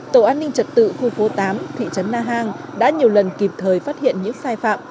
tổ an ninh trật tự khu phố tám thị trấn na hàng đã nhiều lần kịp thời phát hiện những sai phạm